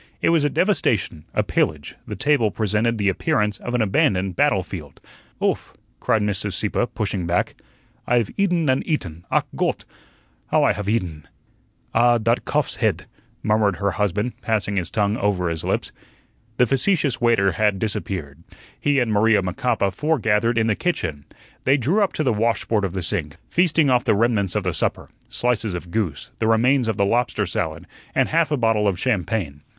It was a devastation, a pillage; the table presented the appearance of an abandoned battlefield. "Ouf," cried Mrs. Sieppe, pushing back, "I haf eatun und eatun, ach, Gott, how I haf eatun!" "Ah, dot kaf's het," murmured her husband, passing his tongue over his lips. The facetious waiter had disappeared. He and Maria Macapa foregathered in the kitchen. They drew up to the washboard of the sink, feasting off the remnants of the supper, slices of goose, the remains of the lobster salad, and half a bottle of champagne.